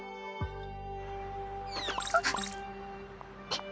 あっ。